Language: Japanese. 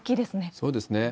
そうですね。